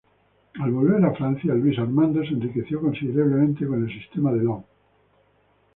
Al volver a Francia, Luis Armando se enriqueció considerablemente con el Sistema de Law.